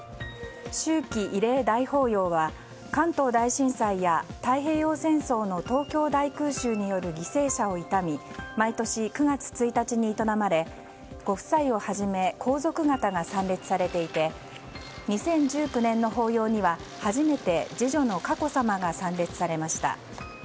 秋季慰霊大法要は関東大震災や太平洋戦争の東京大空襲による犠牲者を悼み毎年９月１日に営まれご夫妻をはじめ皇族方が参列されていて２０１９年の法要には初めて次女の佳子さまが参列されました。